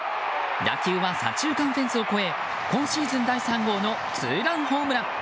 打球は左中間フェンスを越え今シーズン第３号のツーランホームラン。